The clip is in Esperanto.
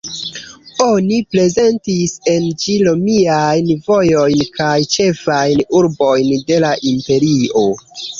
Oni prezentis en ĝi romiajn vojojn kaj ĉefajn urbojn de la Imperio.